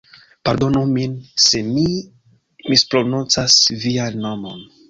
Pardonu min se mi misprononcas vian nomon.